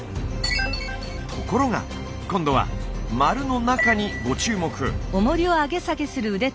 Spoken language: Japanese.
ところが今度は○の中にご注目。